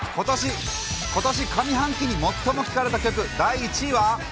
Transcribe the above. ことし上半期に最も聴かれた曲第１位は？